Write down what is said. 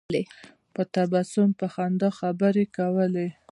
په تبسم په خندا خبرې کولې.